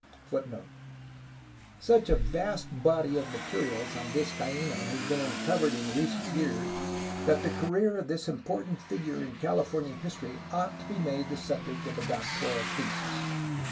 ^®*" Such a vast body of materials on Vizcaino has been uncovered in re cent years that the career of this im portant figure in CaUfornia history ought to be made the subject of a doc toral thesis.